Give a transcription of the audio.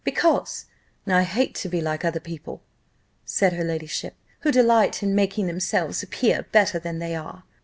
"Because I hate to be like other people," said her ladyship, "who delight in making themselves appear better than they are.